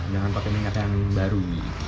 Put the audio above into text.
jangan pakai minyak yang baru